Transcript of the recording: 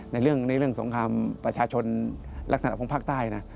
ในเรื่องสงครามประชาชนลักษณะของภาคใต้นะ